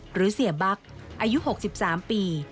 หรือเสียบั๊กอายุ๖๓ปี